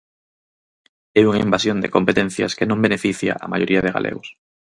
É unha invasión de competencias que non beneficia a maioría de galegos.